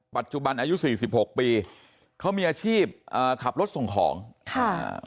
ปัจจุบันอายุสี่สิบหกปีเขามีอาชีพเอ่อขับรถส่งของค่ะ